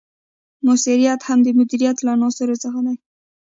مؤثریت هم د مدیریت له عناصرو څخه دی.